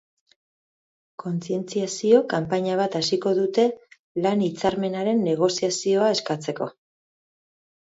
Kontzientziazio kanpaina bat hasiko dute, lan hitzarmenaren negoziazioa eskatzeko.